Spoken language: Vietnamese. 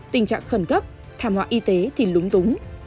tình trạng khẩn cấp thảm họa y tế thì lúng túng